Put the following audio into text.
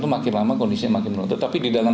itu makin lama kondisinya makin menurun tetapi di dalam